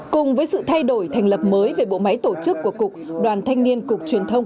cùng với sự thay đổi thành lập mới về bộ máy tổ chức của cục đoàn thanh niên cục truyền thông